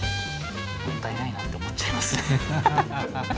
もったいないなって思っちゃいますね。